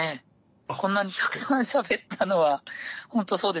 こんなにたくさんしゃべったのはほんとそうですね。